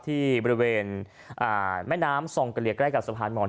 ที่บริเวณแม่น้ำซองกะเลียใกล้กับสะพานหมอน